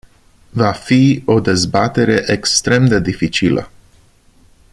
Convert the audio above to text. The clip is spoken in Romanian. Va fi o dezbatere extrem de dificilă.